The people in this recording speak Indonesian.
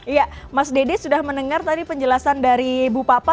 iya mas dede sudah mendengar tadi penjelasan dari bu papa